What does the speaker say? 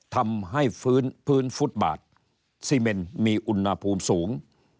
ทำให้พื้นฟุตบาทซีเมนมีอุณหภูมิสูง